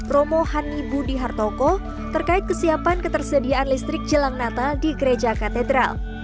romo hani budi hartoko terkait kesiapan ketersediaan listrik jelang natal di gereja katedral